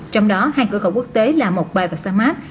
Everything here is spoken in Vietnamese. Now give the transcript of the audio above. trong đó hai cửa khẩu quốc tế là mộc bài và sa mát